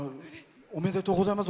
おめでとうございます。